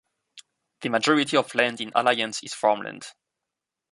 The majority of land in Alliance is farmland.